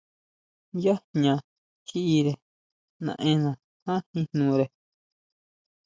Yá jña kjiʼire naʼenna ján jin jnore.